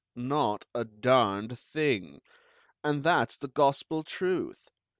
"Not a darned thing, and that's the Gospel truth.